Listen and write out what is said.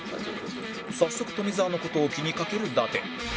早速富澤の事を気にかける伊達